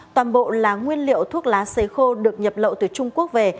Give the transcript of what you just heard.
toàn bộ là nguyên liệu thuốc lá xấy khô được nhập lậu từ trung quốc về